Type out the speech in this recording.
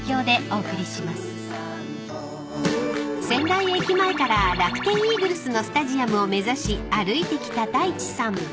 ［仙台駅前から楽天イーグルスのスタジアムを目指し歩いてきた太一さん］